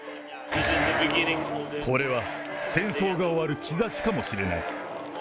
これは戦争が終わる兆しかもしれない。